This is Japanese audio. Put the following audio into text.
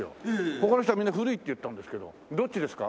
他の人はみんな「古い」って言ったんですけどどっちですか？